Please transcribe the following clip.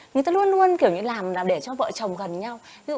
người ta luôn luôn kiểu như làm là để cho vợ chồng gần nhau